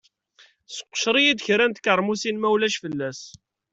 Seqcer-iyi-d kra n tkeṛmusin ma ulac fell-as.